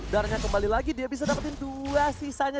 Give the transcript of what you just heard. dan kembali lagi dia bisa dapetin dua sisanya